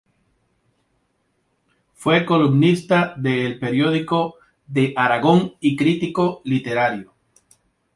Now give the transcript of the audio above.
Fue columnista de "El Periódico de Aragón" y crítico literario.